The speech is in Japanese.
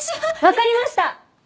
わかりました！